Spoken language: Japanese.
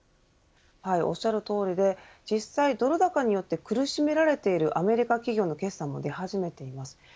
はい、おっしゃるとおりで実際、ドル高によって苦しめられているアメリカ企業の決算も出始めています。